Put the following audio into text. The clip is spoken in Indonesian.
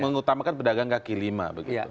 mengutamakan pedagang kaki lima